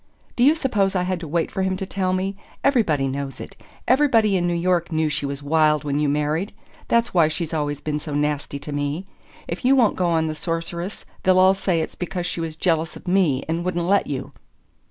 "Do you suppose I had to wait for him to tell me? Everybody knows it everybody in New York knew she was wild when you married. That's why she's always been so nasty to me. If you won't go on the Sorceress they'll all say it's because she was jealous of me and wouldn't let you."